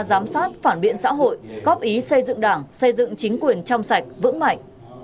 giám sát phản biện xã hội góp ý xây dựng đảng xây dựng chính quyền trong sạch vững mạnh